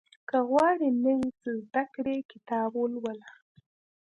• که غواړې نوی څه زده کړې، کتاب ولوله.